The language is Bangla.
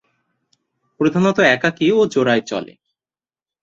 প্রধানত একাকী ও জোড়ায় চলে।